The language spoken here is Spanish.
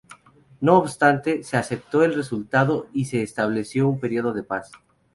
No obstante, se aceptó el resultado y se estableció un periodo de paz.